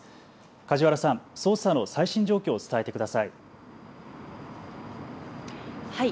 梶原さん、捜査の最新状況を伝えてください。